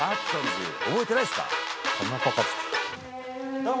「どうも。